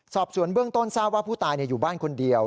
สอบสวนเบื้องต้นทราบว่าผู้ตายอยู่บ้านคนเดียว